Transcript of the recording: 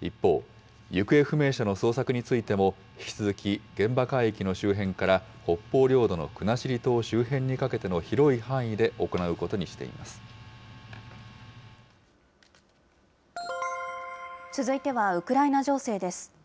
一方、行方不明者の捜索についても、引き続き、現場海域の周辺から北方領土の国後島周辺にかけての広い範囲で行続いては、ウクライナ情勢です。